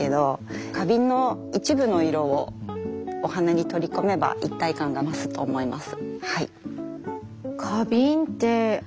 花瓶の一部の色をお花に取り込めば一体感が増すと思います。